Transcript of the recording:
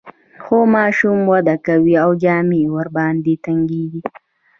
خو ماشوم وده کوي او جامې ورباندې تنګیږي.